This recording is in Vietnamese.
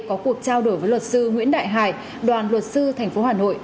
có cuộc trao đổi với luật sư nguyễn đại hải đoàn luật sư tp hà nội